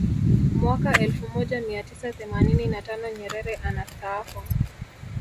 Mwaka elfu moja mia tisa themanini na tano Nyerere anastaafu